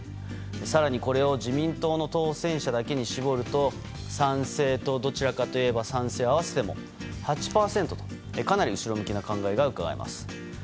更に、これを自民党の当選者だけに絞ると賛成とどちらかといえば賛成を合わせても８％とかなり後ろ向きな考えがうかがえます。